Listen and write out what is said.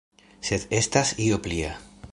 Sed estas io plia.